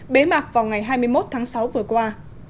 bế mạc vào ngày hai mươi một tháng sáu vừa qua